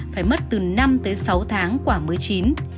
phải mất từ năm tới sáu tháng quả mới chín